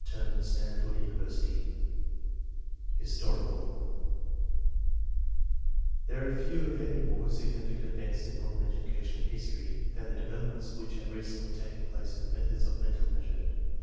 Terman, Stanford University HISTORICAL There are few if any more significant events in modern ; educational history than the developments which have recently taken place in methods of mental measurement.